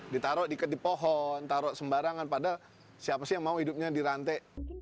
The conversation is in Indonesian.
ditaruh diikat di pohon taruh sembarangan pada siapa sih yang mau hidupnya dirantai